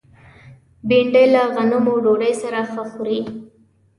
بېنډۍ له غنمو ډوډۍ سره ښه خوري